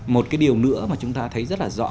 một cái điều nữa mà chúng ta thấy rất là rõ